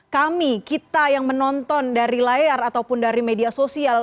kami kita yang menonton dari layar ataupun dari media sosial